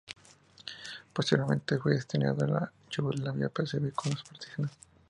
Posteriormente fue destinado a Yugoslavia para servir con los partisanos.